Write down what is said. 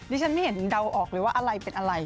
ฉันไม่เห็นเดาออกเลยว่าอะไรเป็นอะไร